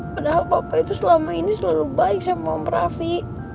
padahal papa itu selama ini selalu baik sama om raffi